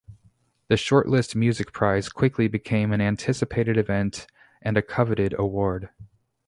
The Shortlist Music Prize quickly became an anticipated event and a coveted award.